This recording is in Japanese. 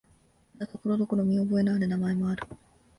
ただ、ところどころ見覚えのある名前もある。